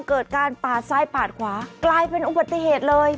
เกิดการปาดซ้ายปาดขวากลายเป็นอุบัติเหตุเลย